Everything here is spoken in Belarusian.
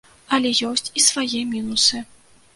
Але ёсць і свае мінусы.